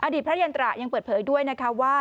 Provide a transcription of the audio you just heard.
พระยันตรายังเปิดเผยด้วยนะคะว่า